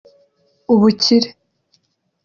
ubukire